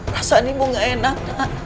rasanya ibu nggak enak pak